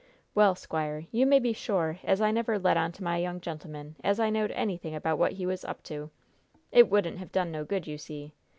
"Well, squire, you may be sure as I never let on to my young gentleman as I knowed anything about what he was up to. It wouldn't have done no good, you see.